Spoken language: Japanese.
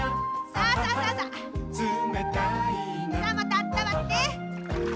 さあまたあったまって。